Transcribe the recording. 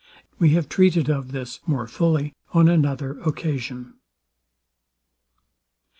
We have treated of this more fully on another occasion.